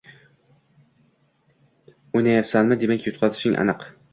Oʻynayapsanmi, demak yutqazishing aniq